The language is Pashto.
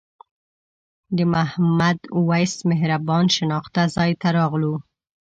د محمد وېس مهربان شناخته ځای ته راغلو.